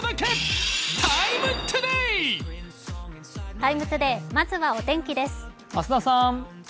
「ＴＩＭＥ，ＴＯＤＡＹ」、まずはお天気です。